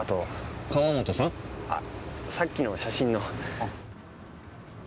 あさっきの写真の。